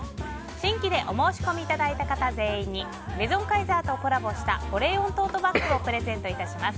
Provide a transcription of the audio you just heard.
新規でお申し込みいただいた方全員にメゾンカイザーとコラボした保冷温トートバッグをプレゼントいたします。